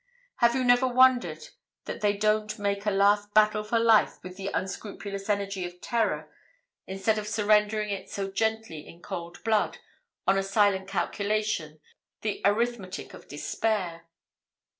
Have you never wondered that they don't make a last battle for life with the unscrupulous energy of terror, instead of surrendering it so gently in cold blood, on a silent calculation, the arithmetic of despair?